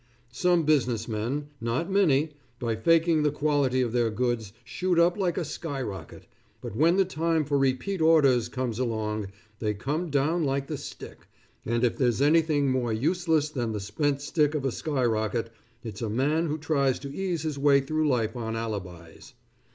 Some business men, not many, by faking the quality of their goods shoot up like a sky rocket, but when the time for repeat orders comes along, they come down like the stick, and if there's anything any more useless than the spent stick of a sky rocket, it's a man who tries to ease his way through life on alibis.